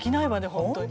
本当に。